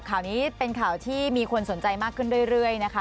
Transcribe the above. ข่าวนี้เป็นข่าวที่มีคนสนใจมากขึ้นเรื่อยนะคะ